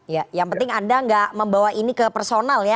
ya yang penting anda nggak membawa ini ke personal ya